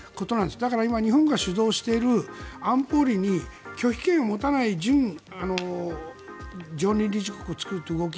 だから今、日本が主導している安保理に拒否権を持たない準常任理事国を作るという動き